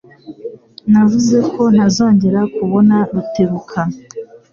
Navuze ko ntazongera kubona Rutebuka.